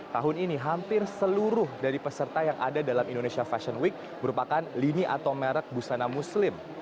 tahun ini hampir seluruh dari peserta yang ada dalam indonesia fashion week merupakan lini atau merek busana muslim